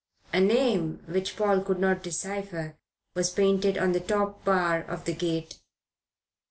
A name which Paul could not decipher was painted on the top bar of the gate.